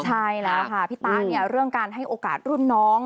ใช่แล้วค่ะพี่ตะเนี่ยเรื่องการให้โอกาสรุ่นน้อง